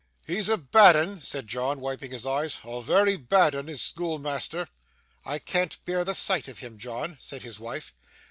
'He's a bad 'un,' said John, wiping his eyes; 'a very bad 'un, is schoolmeasther.' 'I can't bear the sight of him, John,' said his wife.